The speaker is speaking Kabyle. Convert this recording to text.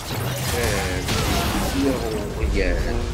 "Err!" isdukkel iɣwyal.